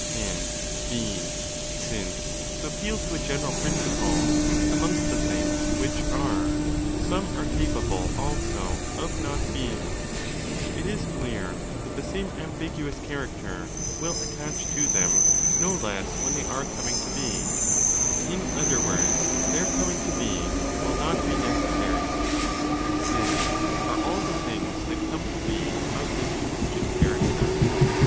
And (δ) since (to appeal to a general principle) amongst the things which 'are' some are capable also of 'not being', it is clear that the same ambiguous character will attach to them no less when they are coming to be: in other words, their coming to be will not be necessary. Then are all the things that come to be of this contingent character?